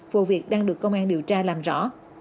vụ việc đang được công an điều tra làm rõ